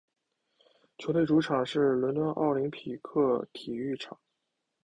球队主场是伦敦奥林匹克体育场。